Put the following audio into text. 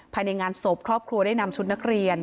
ภายในงานศพครอบครัวได้นำชุดนักเรียน